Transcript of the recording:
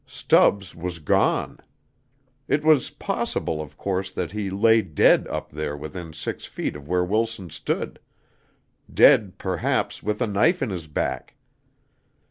Stubbs was gone. It was possible, of course, that he lay dead up there within six feet of where Wilson stood, dead, perhaps, with a knife in his back.